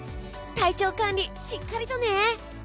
体調管理、しっかりとね！